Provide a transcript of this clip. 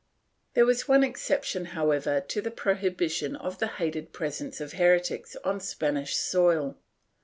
There was one exception, however, to the prohibition of the hated presence of heretics on Spanish soil.